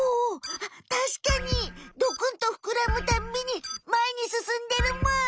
あったしかにドクンとふくらむたんびにまえにすすんでるむ！